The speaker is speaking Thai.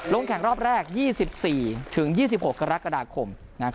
แข่งรอบแรก๒๔๒๖กรกฎาคม